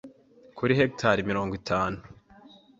kuri hegitari mirongo itanu